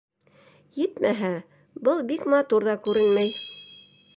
Етмәһә, был бик матур ҙа күренмәй.